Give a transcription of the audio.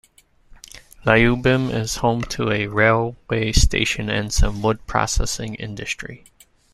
Lyubim is home to a railway station and some wood-processing industry.